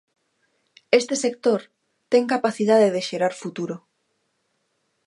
Este sector ten capacidade de xerar futuro.